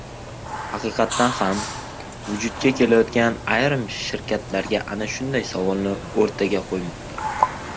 — Haqiqatdan ham, vujudga kelayotgan ayrim shirkatlar ana shunday savolni o‘rtaga qo‘ymoqda.